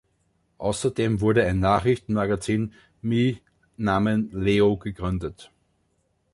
Außerdem wurde ein Nachrichtenmagazin mi Namen „Leo“ gegründet.